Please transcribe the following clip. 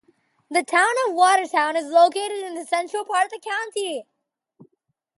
The Town of Watertown is located in the central part of the county.